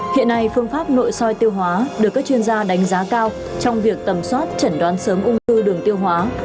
hiện nay phương pháp nội soi tiêu hóa được các chuyên gia đánh giá cao trong việc tầm soát chẩn đoán sớm ung thư đường tiêu hóa